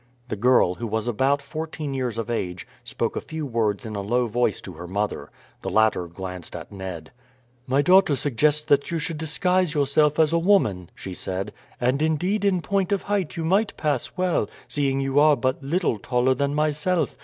The girl, who was about fourteen years of age, spoke a few words in a low voice to her mother. The latter glanced at Ned. "My daughter suggests that you should disguise yourself as a woman," she said. "And indeed in point of height you might pass well, seeing that you are but little taller than myself.